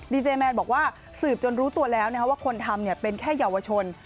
ดีเจแมนบอกว่าสืบจนรู้ตัวแล้วนะครับว่าคนทำเนี่ยเป็นแค่เยาวชน